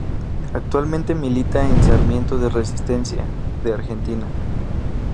Actualmente milita en Sarmiento de Resistencia, de Argentina.